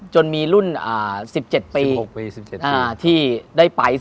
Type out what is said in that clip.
จนมีรุ่น๑๗ปีที่ได้ไป